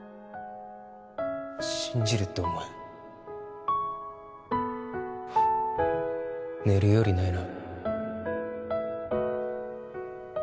信じるってお前寝るよりないな